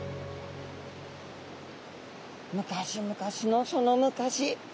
昔昔のその昔。